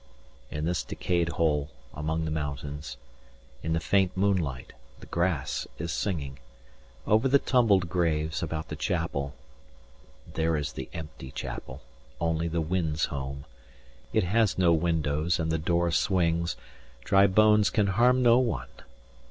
In this decayed hole among the mountains 385 In the faint moonlight, the grass is singing Over the tumbled graves, about the chapel There is the empty chapel, only the wind's home. It has no windows, and the door swings, Dry bones can harm no one.